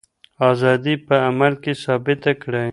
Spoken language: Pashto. ازادي په عمل کي ثابته کړئ.